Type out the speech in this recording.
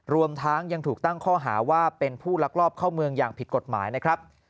รวมทั้งยังถูกตั้งข้อหาว่าเป็นผู้ลักลอบเข้าเมืองอย่างผิดกฎหมายนะครับ